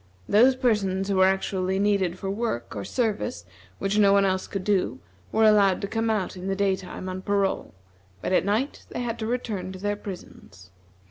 Those persons who were actually needed for work or service which no one else could do were allowed to come out in the day time on parole; but at night they had to return to their prisons.